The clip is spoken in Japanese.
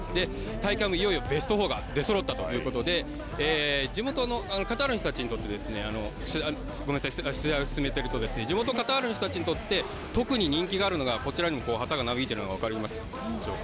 大会もいよいよベスト４が出そろったということで、地元のカタールの人たちにとってですね試合を進めていると、地元カタールの人たちにとって特に人気があるのが、こちらにも旗がなびいているのが分かりますでしょうか。